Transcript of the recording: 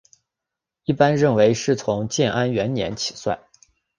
一般认为是从建安元年起算。